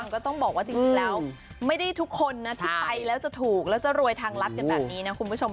ก็ต้องบอกว่าจริงแล้วไม่ได้ทุกคนนะที่ไปแล้วจะถูกแล้วจะรวยทางรัฐกันแบบนี้นะคุณผู้ชม